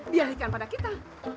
dihahirkan pada kita